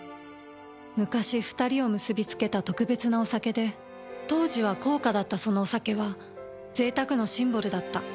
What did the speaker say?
昔２人を結びつけた特別なお酒で当時は高価だったそのお酒は贅沢のシンボルだった。